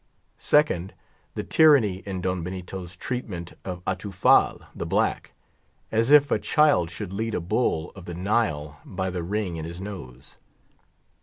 Second, the tyranny in Don Benito's treatment of Atufal, the black; as if a child should lead a bull of the Nile by the ring in his nose.